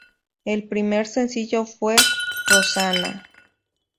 El primer sencillo fue Rosanna.